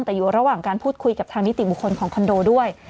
แต่อยู่ระหว่างการพูดคุยกับทางนิติบุคคลของคอนโดด้วย